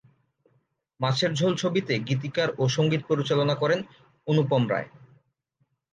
মাছের ঝোল ছবিতে গীতিকার ও সংগীত পরিচালনা করেন অনুপম রায়।